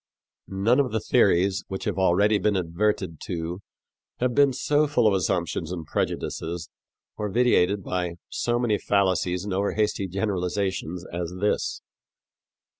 None of the theories which have already been adverted to have been so full of assumptions and prejudices or vitiated by so many fallacies and over hasty generalizations as this.